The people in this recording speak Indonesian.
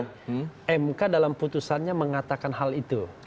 nah mk dalam putusannya mengatakan hal itu